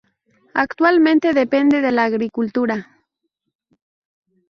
Actualmente depende de la agricultura.